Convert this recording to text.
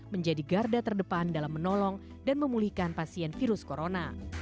menjadi garda terdepan dalam menolong dan memulihkan pasien virus corona